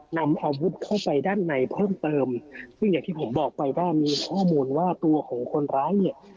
นำอาวุธเข้าไปด้านในเพิ่มเติมซึ่งอย่างที่ผมบอกไปว่ามีข้อมูลว่าตัวของคนร้ายเนี่ย